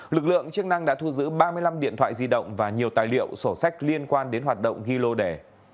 lực lượng chức năng đã thu giữ ba mươi năm điện thoại di động và nhiều tài liệu sổ sách liên quan đến hoạt động ghi lô đẻ